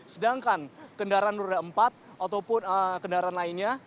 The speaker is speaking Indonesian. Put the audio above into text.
sedangkan kendaraan roda empat ataupun kendaraan lainnya